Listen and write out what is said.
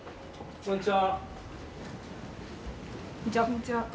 こんにちは。